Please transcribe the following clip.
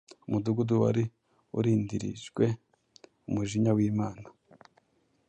umudugudu wari urindirijwe umujinya w’Imana.